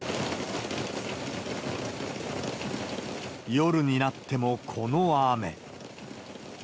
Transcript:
夜になってもこの雨。